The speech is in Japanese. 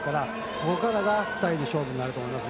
ここからが２人の勝負になると思います。